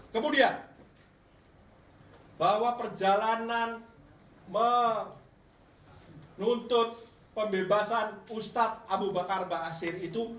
kemudian bahwa perjalanan menuntut pembebasan ustadz abu bakar basir itu